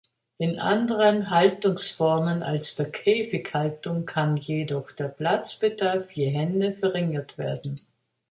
In anderen Haltungsformen als der Käfighaltung kann jedoch der Platzbedarf je Henne verringert werden.